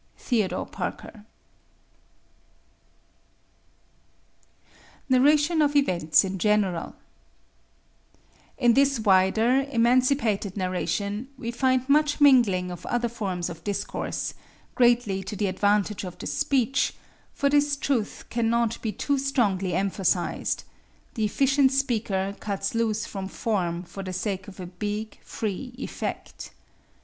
THEODORE PARKER. Narration of Events in General In this wider, emancipated narration we find much mingling of other forms of discourse, greatly to the advantage of the speech, for this truth cannot be too strongly emphasized: The efficient speaker cuts loose from form for the sake of a big, free effect.